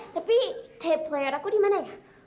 tapi tape player aku di mana ya